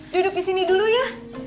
duduk di sini dulu ya